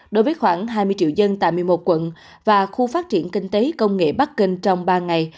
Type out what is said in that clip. đối với khoảng hai mươi triệu dân tại một mươi một quận và khu phát triển kinh tế công nghệ bắc kinh trong ba ngày